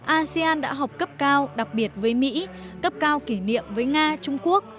asean đã học cấp cao đặc biệt với mỹ cấp cao kỷ niệm với nga trung quốc